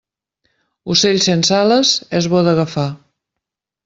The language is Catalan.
Ocell sense ales és bo d'agafar.